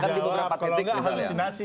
harus dijawab kalau tidak halusinasi